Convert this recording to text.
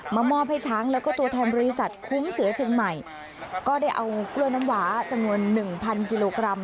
มอบให้ช้างแล้วก็ตัวแทนบริษัทคุ้มเสือเชียงใหม่ก็ได้เอากล้วยน้ำหวาจำนวนหนึ่งพันกิโลกรัม